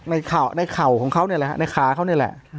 ในข่าวของเขาเนี่ยแหละในขาเขาเนี่ยแหละ